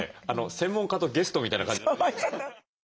専門家とゲストみたいな感じ。